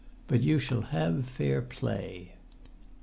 "But you shall have fair play!"